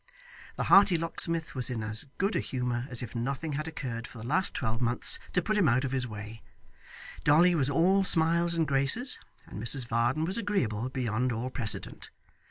The hearty locksmith was in as good a humour as if nothing had occurred for the last twelve months to put him out of his way, Dolly was all smiles and graces, and Mrs Varden was agreeable beyond all precedent.